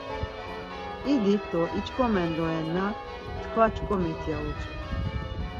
İdit do iç̌ǩomen dorenna tkva ç̌ǩomit ya utzu.